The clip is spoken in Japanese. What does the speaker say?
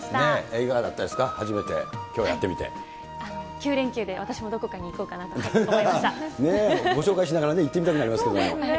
いかがだったですか、初めて、９連休で、私もどこかに行こご紹介しながらね、行ってみたくなりますけども。